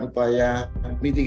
atau masyarakat yang berpengalaman